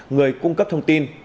người cung cấp thông tin